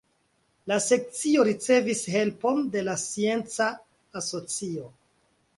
La Sekcio ricevis helpon de la Scienca Asocio.